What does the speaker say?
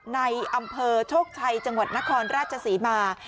ในอำเภอโชคชัยจังหวัดนครราชศรีมา